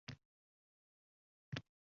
Shungayam ota go‘ri qozixonami?